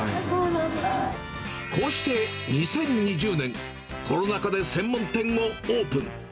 こうして、２０２０年、コロナ禍で専門店をオープン。